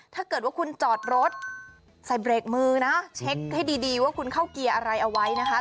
ถ้าเกิดว่าคุณจอดรถใส่เบรกมือนะเช็คให้ดีว่าคุณเข้าเกียร์อะไรเอาไว้นะคะ